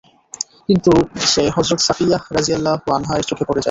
কিন্তু সে হযরত সাফিয়্যাহ রাযিয়াল্লাহু আনহা-এর চোখে পড়ে যায়।